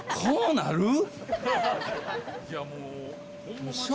こうなる？